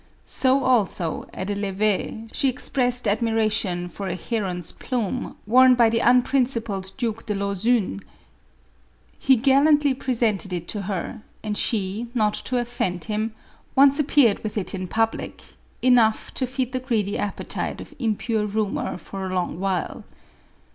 So also, at a levee, she expressed admiration for a heron's plume worn by the unprincipled Duke de Lauzun ; he gal lantly presented it to her, and she, not to offend him, once appeared with it in public — enough to feed the greedy appetite of impure rumor for a long while.